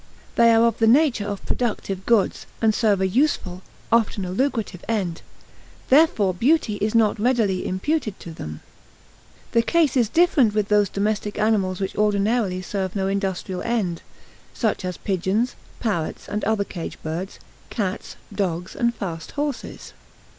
They are of the nature of productive goods, and serve a useful, often a lucrative end; therefore beauty is not readily imputed to them. The case is different with those domestic animals which ordinarily serve no industrial end; such as pigeons, parrots and other cage birds, cats, dogs, and fast horses.